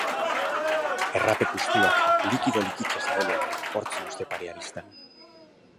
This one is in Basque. Errape puztuak, likido likitsa sabelean, hortz luze parea bistan.